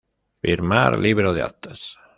Firmar Libro de Actas.